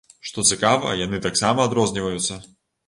Што цікава, яны таксама адрозніваюцца.